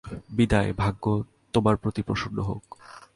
বিদায়, ভাগ্য তোমার প্রতি প্রসন্ন হোক।